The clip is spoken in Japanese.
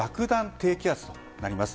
低気圧となります。